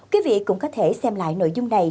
quý vị cũng có thể xem lại nội dung này